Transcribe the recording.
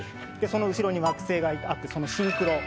その後ろに惑星があってそのシンクロ。